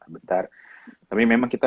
bentar tapi memang kita